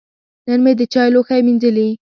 نن مې د چای لوښی مینځلي.